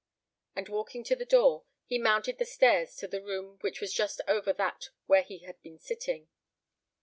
And walking to the door, he mounted the stairs to the room which was just over that where he had been sitting.